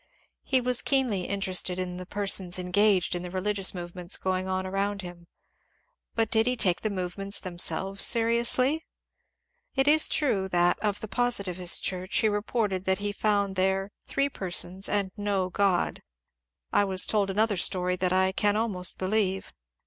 He was keenly interested in the persons engaged in the religious movements going on around him, but did he take the move ments themselves seriously ? It is true that of the positivist church he reported that he found there ^ three persons and no God." I was told another story that I can ahnost believe.